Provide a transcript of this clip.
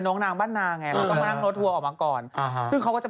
อ๋อคุณไม่นั่งเครื่องครับ